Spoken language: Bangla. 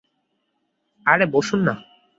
আরে, বসুন না!